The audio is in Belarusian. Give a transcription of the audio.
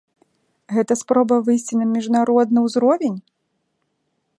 Гэта спроба выйсці на міжнародны ўзровень?